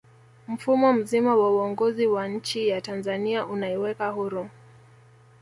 mfumo mzima wa uongozi wa nchiya tanzania unaiweka huru